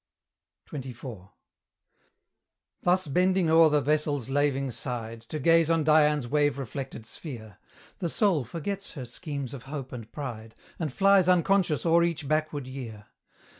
XXIV. Thus bending o'er the vessel's laving side, To gaze on Dian's wave reflected sphere, The soul forgets her schemes of Hope and Pride, And flies unconscious o'er each backward year.